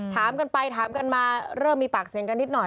ถามกันไปถามกันมาเริ่มมีปากเสียงกันนิดหน่อย